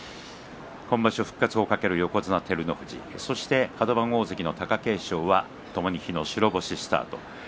今場所復活を懸ける横綱照ノ富士カド番大関の貴景勝はともに昨日白星スタート。